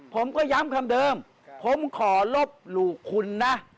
ผมก็ย้ำคำเดิมผมขอลบหลู่คุณนะ